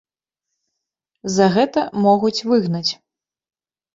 За гэта могуць выгнаць.